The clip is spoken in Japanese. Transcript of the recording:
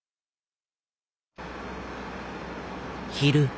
昼。